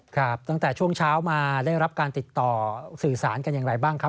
ครับตั้งแต่ช่วงเช้ามาได้รับการติดต่อสื่อสารกันอย่างไรบ้างครับ